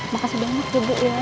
makasih banget ibu ya